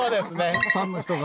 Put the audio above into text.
たくさんの人が。